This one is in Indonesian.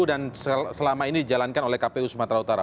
dan selama ini dijalankan oleh kpu sumatera utara